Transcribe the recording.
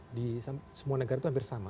karena di semua negara itu hampir sama